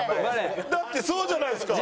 だってそうじゃないですか。